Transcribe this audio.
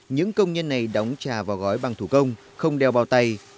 những công nhân này đóng trà vào gói bằng thủ công không đeo bao tay